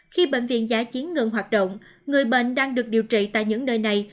khi bệnh viện giã chiến ngừng hoạt động người bệnh đang được điều trị tại những nơi này